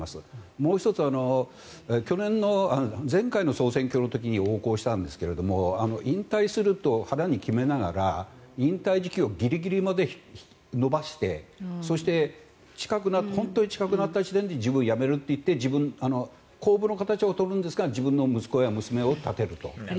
もう１つは前回の総選挙の時に横行したんですが引退すると腹に決めながら引退時期をギリギリまで延ばしてそして、本当に近くなった時点で自分は辞めるといって公募の形を取るんですが自分の息子や娘を立てると。